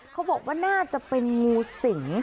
เขาบอกว่าน่าจะเป็นงูสิง